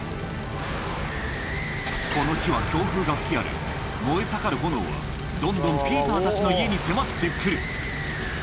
この日は強風が吹き荒れ燃え盛る炎はどんどんピーターたちの家に迫って来る